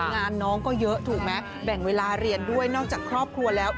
งานน้องก็เยอะถูกไหมแบ่งเวลาเรียนด้วยนอกจากครอบครัวแล้ว